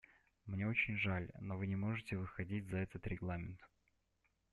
Мне очень жаль, но Вы не можете выходить за этот регламент.